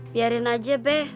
biarin aja be